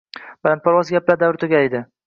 Balandparvoz gaplar davri tugadi